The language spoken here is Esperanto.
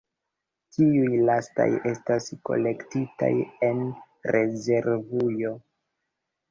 Tiuj lastaj estas kolektitaj en rezervujo.